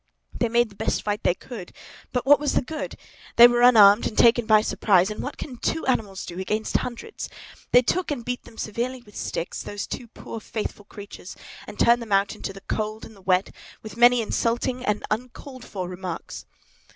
They made the best fight they could, but what was the good? They were unarmed, and taken by surprise, and what can two animals do against hundreds? They took and beat them severely with sticks, those two poor faithful creatures, and turned them out into the cold and the wet, with many insulting and uncalled for remarks!"